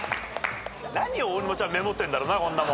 何を大沼ちゃんメモってんだろうなこんなもん。